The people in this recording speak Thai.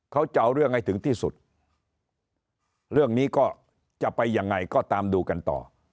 เขาจะเอาเรื่องให้ถึงที่สุดเรื่องนี้ก็จะไปยังไงก็ตามดูกันต่อ